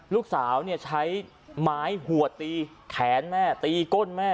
ลูกสาวใช้ไม้หัวตีแขนแม่ตีก้นแม่